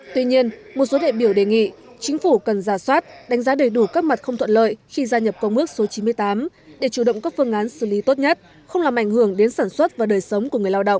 tuy nhiên một số đại biểu đề nghị chính phủ cần ra soát đánh giá đầy đủ các mặt không thuận lợi khi gia nhập công ước số chín mươi tám để chủ động các phương án xử lý tốt nhất không làm ảnh hưởng đến sản xuất và đời sống của người lao động